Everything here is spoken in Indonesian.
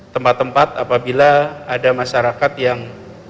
tempat tempat apabila ada masyarakat yang